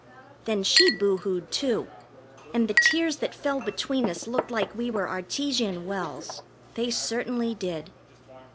Then she boohoo'd too, and the tears that fell between us looked like we were artesian wells they certainly did.